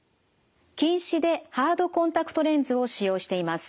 近視でハードコンタクトレンズを使用しています。